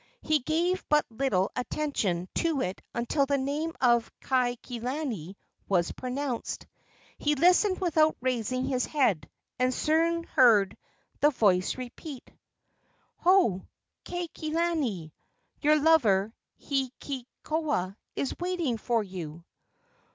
He gave but little attention to it until the name of Kaikilani was pronounced. He listened without raising his head, and soon heard the voice repeat: "Ho, Kaikilani! Your lover, Heakekoa, is waiting for you!"